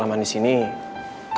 apakah ini cinta